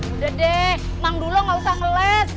udah deh mang duloh gak usah ngeles